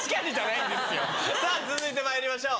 さぁ続いてまいりましょう。